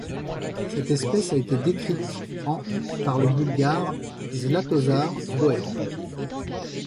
Cette espèce a été décrite en par le bulgare Zlatozar Boev.